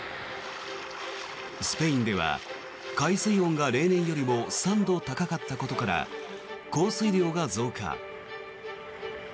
スペインでは海水温が例年よりも３度高かったことから降水量が増加。